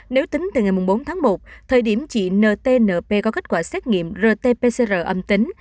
nếu tính từ ngày bốn tháng một thời điểm chị ntnp có kết quả xét nghiệm rt pcr âm tính